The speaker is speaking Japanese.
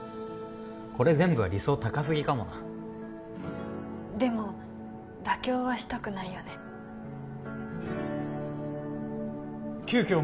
これ全部は理想高すぎかもなでも妥協はしたくないよね急きょ